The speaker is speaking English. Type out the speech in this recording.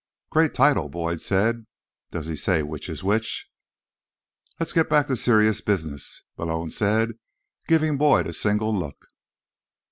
"Great title," Boyd said. "Does he say which is which?" "Let's get back to serious business," Malone said, giving Boyd a single look.